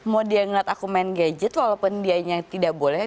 mau dia ngeliat aku main gadget walaupun dianya tidak boleh